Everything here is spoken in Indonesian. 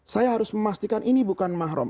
saya harus memastikan ini bukan mahrum